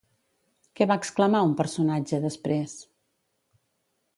Què va exclamar un personatge després?